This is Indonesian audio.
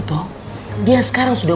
tapi lekas sih lupanya nada